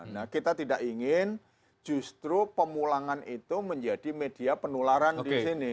nah kita tidak ingin justru pemulangan itu menjadi media penularan di sini